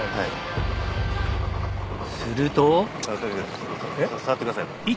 すると。